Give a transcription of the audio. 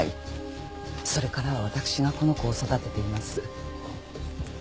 それからは私がこの子を育てています。